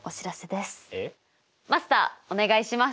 マスターお願いします！